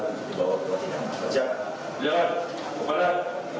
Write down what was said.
pertama tuhan berkata